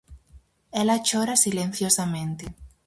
Ela chora silenciosamente.